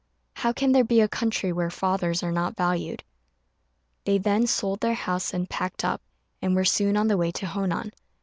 How can there be a country where fathers are not valued?" They then sold their house and packed up, and were soon on the way to Honan.